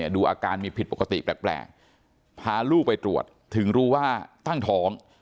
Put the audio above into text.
ดูอาการมีผิดปกติแปลกพาลูกไปตรวจถึงรู้ว่าตั้งท้อง